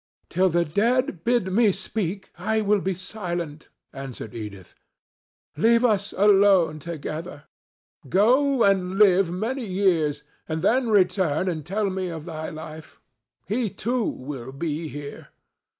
"Till the dead bid me speak I will be silent," answered Edith. "Leave us alone together. Go and live many years, and then return and tell me of thy life. He too will be here.